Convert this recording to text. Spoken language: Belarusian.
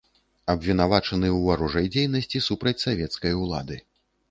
Абвінавачаны ў варожай дзейнасці супраць савецкай улады.